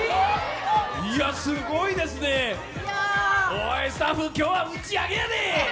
すごいですね、おいスタッフ、今日は打ち上げやで！